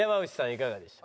いかがでした？